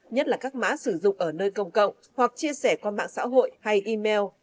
nhất là các mã sử dụng ở nơi công cộng hoặc chia sẻ qua mạng xã hội hay email